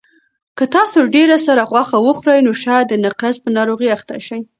که تاسو ډېره سره غوښه وخورئ نو شاید د نقرس په ناروغۍ اخته شئ.